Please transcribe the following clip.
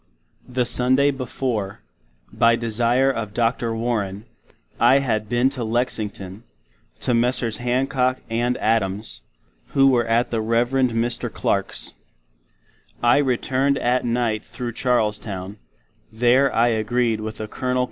The Sunday before, by desire of Dr. Warren, I had been to Lexington, to Mess. Hancock and Adams, who were at the Rev. Mr. Clark's. I returned at Night thro Charlestown; there I agreed with a Col.